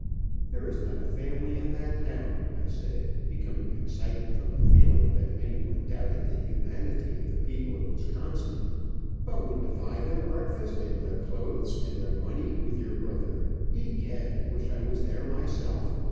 There is not a family in that town," I said, becoming excited from the feeling that any one doubted the humanity of the people of Wisconsin, "but would divide their breakfast, and their clothes, and their money, with your brother, egad, I wish I was there myself.